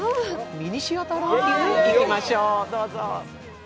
ミニシアターランキングにいきましょう。